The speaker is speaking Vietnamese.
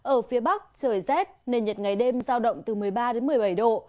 ở phía bắc trời rét nền nhiệt ngày đêm giao động từ một mươi ba đến một mươi bảy độ